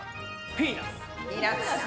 ピーナツ。